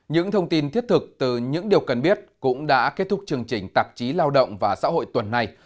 những thông tin thiết thực từ những điều cần biết cũng đã kết thúc chương trình tạp chí lao động và xã hội tuần này